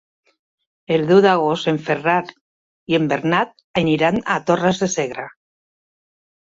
El deu d'agost en Ferran i en Bernat aniran a Torres de Segre.